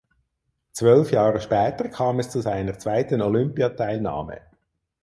Zwölf Jahre später kam es zu seiner zweiten Olympiateilnahme.